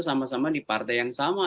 sama sama di partai yang sama